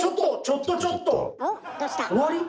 ちょっとちょっと！終わり？